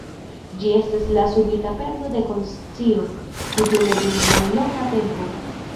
Ĝi estas la subita perdo de konscio, kutime dum mallonga tempo.